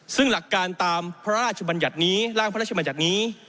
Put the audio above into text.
ซึ่งหลักการตามพระราชบัญญัตินี้ร่างพระราชมัญญัตินี้